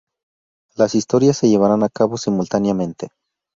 Las historias se llevarán a cabo simultáneamente.